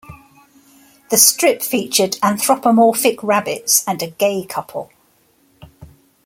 The strip featured anthropomorphic rabbits and a gay couple.